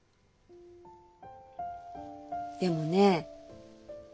でもね